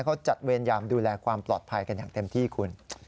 เขาจัดเวรยามดูแลความปลอดภัยกันอย่างเต็มที่คุณ